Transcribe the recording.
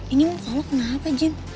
ini mau tau lo kenapa jin